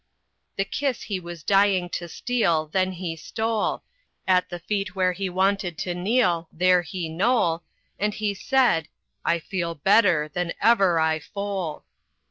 The kiss he was dying to steal, then he stole, At the feet where he wanted to kneel, there he knole, And he said, "I feel better than ever I fole."